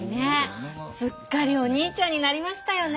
すっかりおにいちゃんになりましたよね。